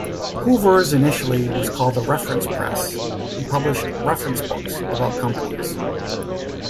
Hoover's initially was called The Reference Press and published reference books about companies.